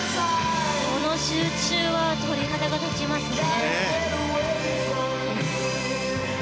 この集中は鳥肌が立ちますね。